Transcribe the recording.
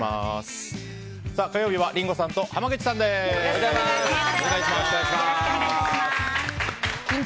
おはようございます。